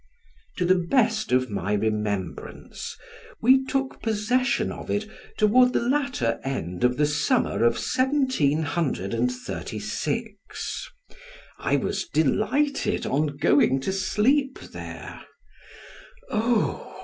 To the best of my remembrance, we took possession of it toward the latter end of the summer Of 1736. I was delighted on going to sleep there "Oh!"